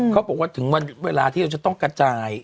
เขาบอกว่าถึงวันเวลาที่เราจะต้องกระจาย